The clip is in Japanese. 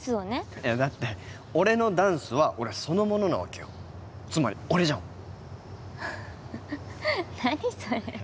いやだって俺のダンスは俺そのものなわけよつまり俺じゃんフフッ何それ？